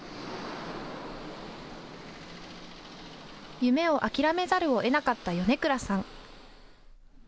夢を諦めざるをえなかった米倉さん。